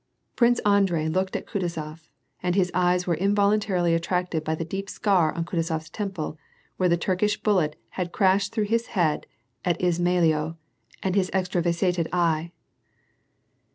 Prince Andrei looked at Kutuzof, and his eyes were involun tarily attracted by the deep scar on Kutuzof's temple, where the Turkish bullet had crashed through his head at Izmailo, and his extravasated eye.